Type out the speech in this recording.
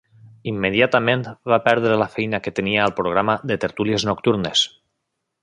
Immediatament va perdre la feina que tenia al programa de tertúlies nocturnes.